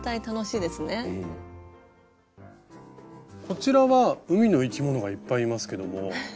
こちらは海の生き物がいっぱいいますけども。